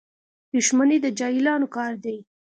• دښمني د جاهلانو کار دی.